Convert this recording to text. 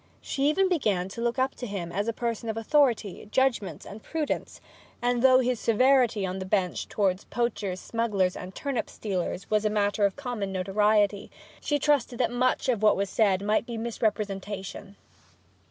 She even began to look up to him as a person of authority, judgment, and prudence; and though his severity on the bench towards poachers, smugglers, and turnip stealers was matter of common notoriety, she trusted that much of what was said might be misrepresentation.